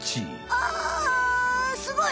あすごい！